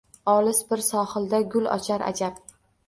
Olis bir sohilda gul ochar ajab.